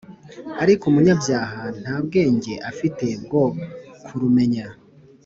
ariko umunyabyaha nta bwenge afite bwo kurumenya